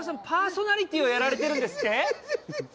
パーソナリティーをやられてるんですって？